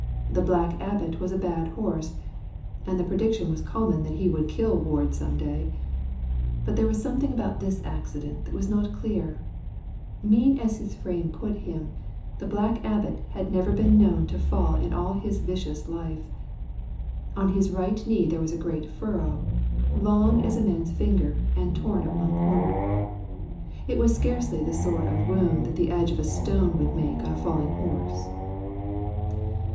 The Black Abbot was a bad horse, and the prediction was common that he would kill Ward some day. But there was something about this accident that was not clear. Mean as his fame put him, the Black Abbot had never been known to fall in all of his vicious life. On his right knee there was a great furrow, long as a man's finger and torn at one corner. It was scarcely the sort of wound that the edge of a stone would make on a falling horse.